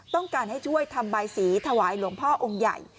ต้องการให้ช่วยทำบายสีถวายหลวงพ่อองค์ใหญ่